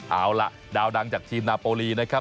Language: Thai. เอาล่ะดาวดังจากทีมนาโปรลีนะครับ